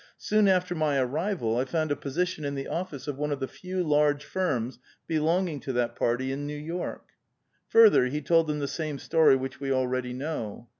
Soon after my arrival, I found a position in the office of one of the few large firms belonging to that party in New York." Further, he told them the same story which we already know.